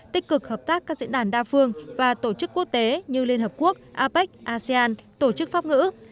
tích cực hợp tác các diễn đàn đa phương và tổ chức quốc tế như liên hợp quốc apec asean tổ chức pháp ngữ